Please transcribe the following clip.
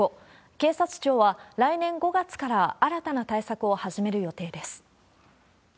警察庁は、来年５月から新たな対策を始める予定です。